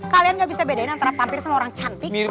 kalian gak bisa bedain antara pampir sama orang cantik